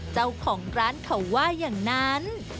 เจ้าของร้านเขาว่าอย่างนั้น